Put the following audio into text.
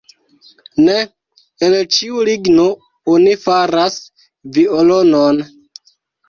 Ne el ĉiu ligno oni faras violonon.